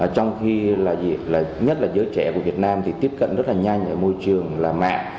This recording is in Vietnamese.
trong khi là nhất là giới trẻ của việt nam thì tiếp cận rất là nhanh ở môi trường là mạng